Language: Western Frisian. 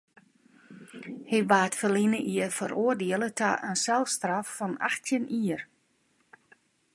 Hy waard ferline jier feroardiele ta in selstraf fan achttjin jier.